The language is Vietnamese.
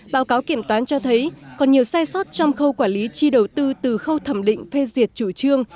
báo cáo kiểm toán cho thấy còn nhiều sai sót trong khâu quản lý chi đầu tư từ khâu thẩm định phê duyệt chủ trương